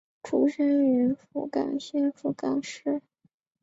出身于福冈县福冈市。